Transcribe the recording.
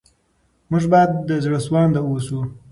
موږ باید زړه سوانده اوسو.